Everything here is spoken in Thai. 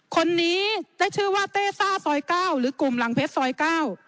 คนนี้ได้ชื่อว่าเต้ซ่าซอยเก้าหรือกลุ่มหลังเพชรซอยเก้า